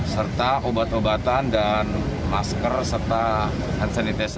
serta obat obatan dan masker serta hand sanitizer